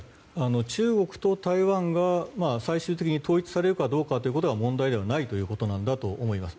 中国と台湾が最終的に統一されるかどうかは問題ではないということなんだと思います。